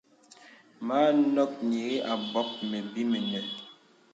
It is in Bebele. Mə anɔk nyìrìk a bɔk məbì mənə.